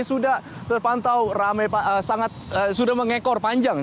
sudah terpantau rame sudah mengekor panjang